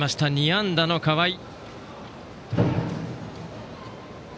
２安打の河合。